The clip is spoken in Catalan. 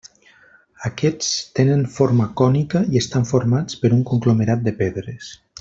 Aquests tenen forma cònica i estan formats per un conglomerat de pedres.